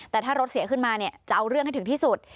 แต่ถ้ารถเสียขึ้นมาเนี่ยจะเอาเรื่องให้ถึงที่สุด